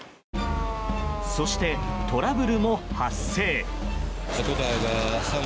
そして、トラブルも発生。